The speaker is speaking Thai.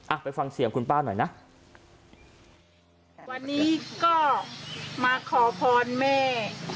ไปฟังเสียงคุณป้าหน่อยนะวันนี้ก็มาขอพรแม่